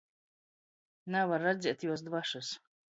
Navar redzēt juos dvašys.